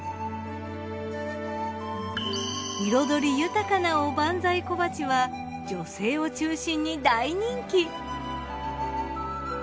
彩り豊かなおばんざい小鉢は女性を中心に大人気。